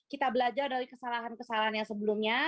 kita belajar dari kesalahan kesalahan yang sebelumnya